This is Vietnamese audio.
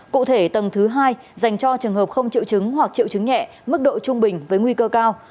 cụ thể tầng thứ hai dành cho trường hợp không triệu chứng hoặc triệu chứng nhẹ mức độ trung bình với nguy cơ cao